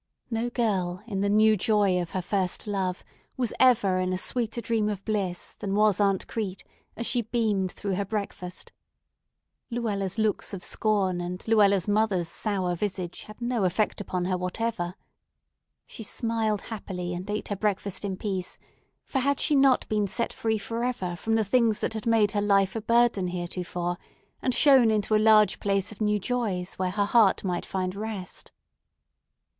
No girl in the new joy of her first love was ever in a sweeter dream of bliss than was Aunt Crete as she beamed through her breakfast. Luella's looks of scorn and Luella's mother's sour visage had no effect upon her whatever. She smiled happily, and ate her breakfast in peace, for had she not been set free forever from the things that had made her life a burden heretofore, and shown into a large place of new joys where her heart might find rest?